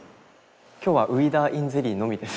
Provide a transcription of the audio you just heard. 今日はウイダーｉｎゼリーのみです。